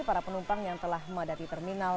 para penumpang yang telah memadati terminal